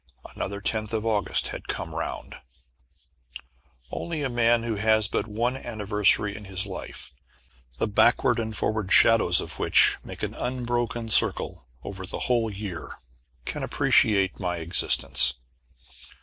Another tenth of August had come round! Only a man who has but one anniversary in his life, the backward and forward shadows of which make an unbroken circle over the whole year, can appreciate my existence.